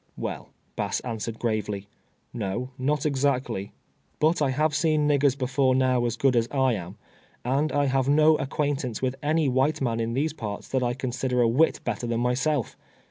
" Well," Bass answered gravely, " no, not exactly. But I have seen niggei s before now as a'ood as I am, and I have no acquaintance with any white man in these parts that I consider a whit better tlian myself.